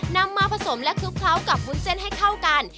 นำมาผสมและคลุกเคล้ากับวุ้นเส้นให้เข้ากัน